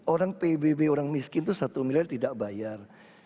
orang pbb orang miskin itu satu miliar tidak bayar